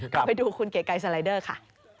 กลับไปดูคุณเก๊ไกรสไลเดอร์ค่ะ